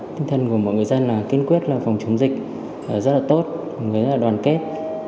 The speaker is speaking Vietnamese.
tinh thần của mọi người dân là kiên quyết phòng chống dịch rất là tốt mọi người rất là đoàn kết